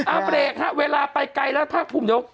เอาเปรกครับเวลาไปไกลแล้วถ้าผมเดี๋ยว